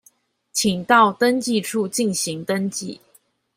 請到登記處進行登記